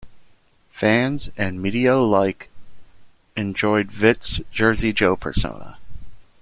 Fans and media alike enjoyed Vitt's "Jersey Joe" persona.